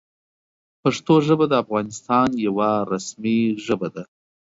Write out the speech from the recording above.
پښتو ژبه د افغانستان یوه رسمي ژبه ده.